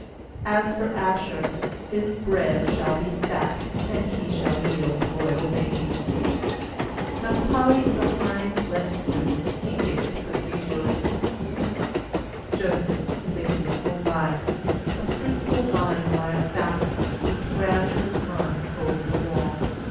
20As for Asher, his bread shall be fat, And he shall yield royal dainties. 21Naphtali is a hind let loose: He giveth goodly words. 22 Joseph is a fruitful vine, A fruitful vine by a fountain: Its branches run over the wall.